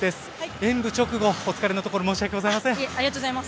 演武直後、お疲れのところ申し訳ございません。